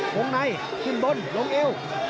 วงในขึ้นบนลงเอว